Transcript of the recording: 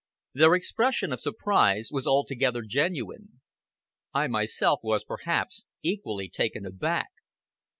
Their expression of surprise was altogether genuine. I myself was, perhaps, equally taken aback.